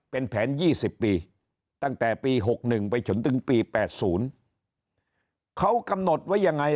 เป็นแผน๒๐ปีตั้งแต่ปี๖๑ไปจนถึงปี๘๐เขากำหนดไว้ยังไง